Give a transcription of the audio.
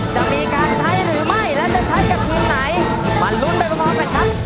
จะมีการใช้หรือไม่และจะใช้กับทีมไหนมาลุ้นไปพร้อมกันครับ